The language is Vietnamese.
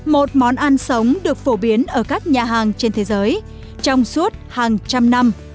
một món ăn sống được phổ biến ở các nhà hàng trên thế giới trong suốt hàng trăm năm